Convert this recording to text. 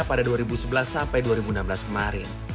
pada dua ribu sebelas sampai dua ribu enam belas kemarin